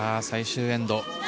最終エンド。